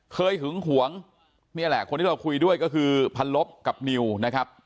หึงหวงนี่แหละคนที่เราคุยด้วยก็คือพันลบกับนิวนะครับ